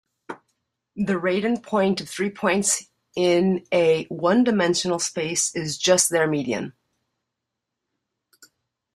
The Radon point of three points in a one-dimensional space is just their median.